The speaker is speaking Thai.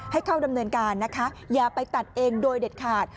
ให้เข้าดำเนินการนะคะอย่าไปตัดเองโดยเด็ดขาด